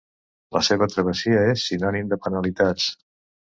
La seva travessia és sinònim de penalitats.